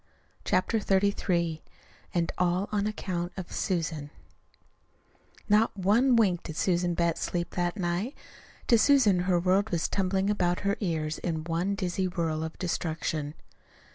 CHAPTER XXXIII AND ALL ON ACCOUNT OF SUSAN Not one wink did Susan Betts sleep that night. To Susan her world was tumbling about her ears in one dizzy whirl of destruction.